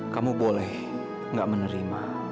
kamu boleh gak menerima